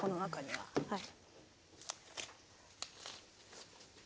はい。